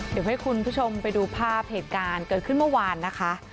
เดี๋ยวให้คุณผู้ชมไปดูภาพเหตุการณ์เกิดขึ้นเมื่อวานนะคะ